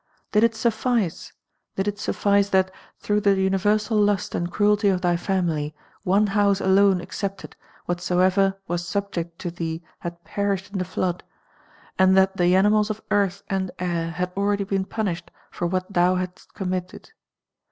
Did it sufiice, did it suflice that through the universal lust and cruelty of thy family, one house alone excepted, whatsoever was subject to thee had perished in the I'lood, and that tic animals of earth and air had already been punished for what thou hadst committed?